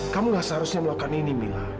kamu gak seharusnya melakukan ini mila